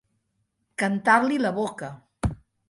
Cantar-li la boca.